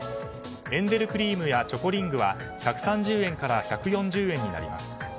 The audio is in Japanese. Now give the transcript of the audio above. エンゼルクリームやチョコリングは１３０円から１４０円になります。